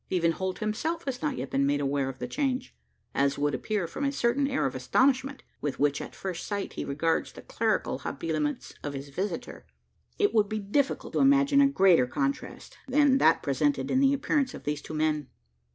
Even Holt himself has not yet been made aware of the change: as would appear from a certain air of astonishment, with which at first sight he regards the clerical habiliments of his visitor. It would be difficult to imagine a greater contrast than that presented in the appearance of these two men.